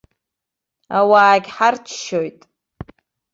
Ауаагь ҳарччоит.